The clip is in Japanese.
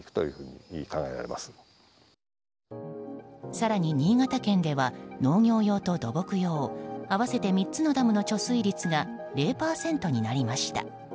更に新潟県では農業用と土木用合わせて３つのダムの貯水率が０％になりました。